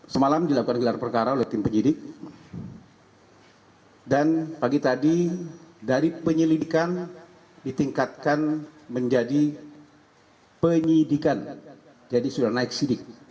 semalam dilakukan gelar perkara oleh tim penyidik dan pagi tadi dari penyelidikan ditingkatkan menjadi penyidikan jadi sudah naik sidik